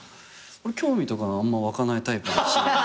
俺興味とかあんま湧かないタイプだし。